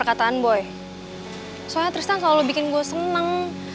kenapa udah gak kacau kenal kenal